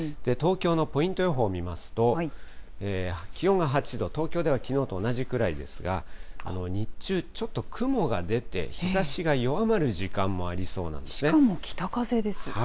東京のポイント予報見ますと、気温が８度、東京ではきのうと同じくらいですが、日中、ちょっと雲が出て、日ざしが弱まる時間もあしかも北風です。